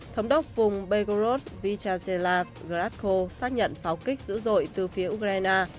thống đốc vùng begorod vyacheslav grasko xác nhận pháo kích dữ dội từ phía ukraine